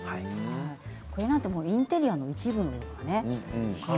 これなんてインテリアの一部ですよね。